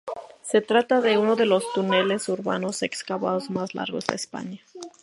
Se trata de uno de los túneles urbanos excavados más largos de España.